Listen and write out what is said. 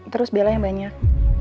terus bella yang banyak